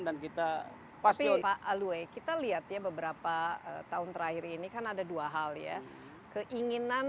dan kita pasti pak aluwe kita lihat ya beberapa tahun terakhir ini kan ada dua hal ya keinginan